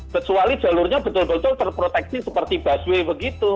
kecuali jalurnya betul betul terproteksi seperti busway begitu